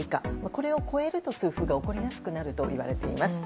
これを超えると痛風が起こりやすくなるといわれています。